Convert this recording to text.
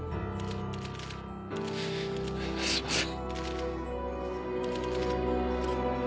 すいません。